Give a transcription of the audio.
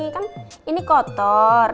kan ini kotor